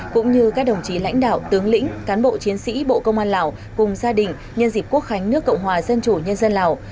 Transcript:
cũng như các đồng chí lãnh đạo tướng lĩnh cán bộ chiến sĩ bộ công an lào cùng gia đình nhân dịp quốc khánh nước cộng hòa dân chủ nhân dân lào